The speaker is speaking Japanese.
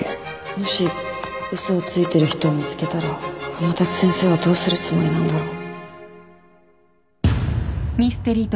もし嘘をついてる人を見つけたら天達先生はどうするつもりなんだろう